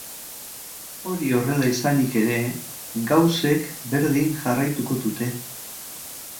Hori horrela izanik ere, gauzek berdin jarraituko dute.